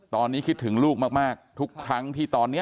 ตอนนี้คิดถึงลูกมากทุกครั้งที่ตอนนี้